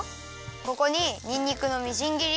ここににんにくのみじん切り。